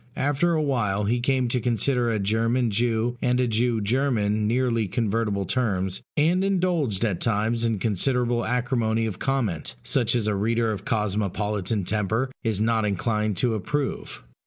After a while he came to consider a German Jew and a Jew German nearly convertible terms; and indulged at times in considerable acrimony of comment, such as a reader of cosmopolitan temper is not inclined to approve.